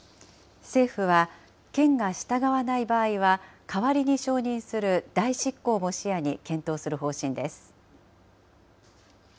政府は県が従わない場合は、代わりに承認する代執行も視野に検討する方針です。